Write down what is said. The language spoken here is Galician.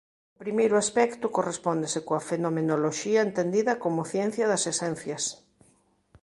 O primeiro aspecto correspóndese coa fenomenoloxía entendida como "ciencia das esencias".